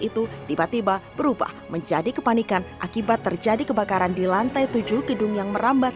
itu tiba tiba berubah menjadi kepanikan akibat terjadi kebakaran di lantai tujuh gedung yang merambat